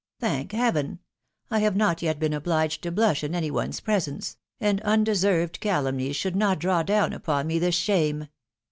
Thank Heaven ! I have not yet been obliged to blush in any one's presence, and undeserved calumnies should not draw down upon me this shame.